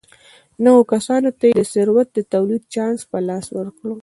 نویو کسانو ته یې د ثروت د تولید چانس په لاس ورکاوه.